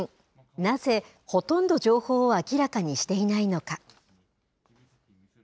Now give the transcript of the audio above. なぜ、ほとんど情報を明らかにしていないのか。